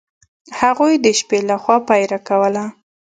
هغوی د شپې له خوا پیره کوله.